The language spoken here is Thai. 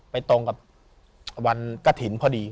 ตรงกับวันกระถิ่นพอดี